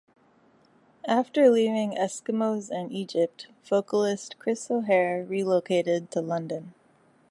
After leaving Eskimos and Egypt, vocalist Chris O'Hare relocated to London.